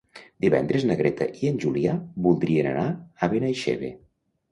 Divendres na Greta i en Julià voldrien anar a Benaixeve.